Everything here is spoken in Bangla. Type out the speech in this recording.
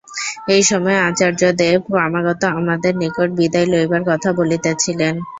এই সময়ে আচার্যদেব ক্রমাগত আমাদের নিকট বিদায় লইবার কথা বলিতেছিলেন।